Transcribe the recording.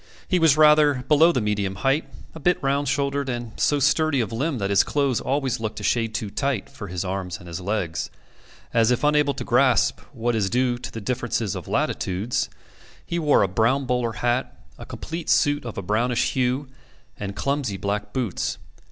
He was rather below the medium height, a bit round shouldered, and so sturdy of limb that his clothes always looked a shade too tight for his arms and legs. As if unable to grasp what is due to the difference of latitudes, he wore a brown bowler hat, a complete suit of a brownish hue, and clumsy black boots.